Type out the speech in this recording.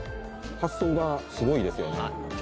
発想がすごいですよね